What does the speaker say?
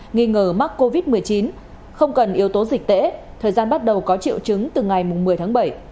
nghi ngờ mắc covid một mươi chín không cần yếu tố dịch tễ thời gian bắt đầu có triệu chứng từ ngày một mươi tháng bảy